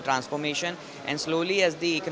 dan perlahan lahan ekonomi kita berubah